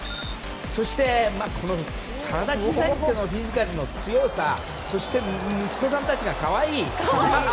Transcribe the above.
そして、体は小さいですけどフィジカルの強さそして、息子さんたちが可愛い！